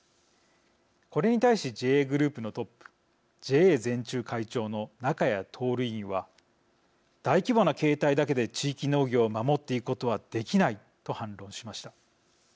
これに対しＪＡグループのトップＪＡ全中会長の中家徹委員は「大規模な経営体だけで地域農業を守っていくことはできない」と反論しました。